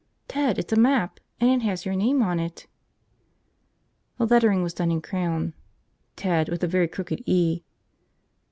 "Ted, it's a map. And it has your name on it!" The lettering was done in crayon, "Ted," with a very crooked E.